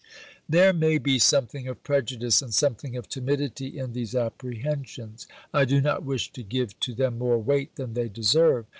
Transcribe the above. There may be something of prejudice and something of timidity in these apprehensions. I do not wish to give to them more weight than they deserve.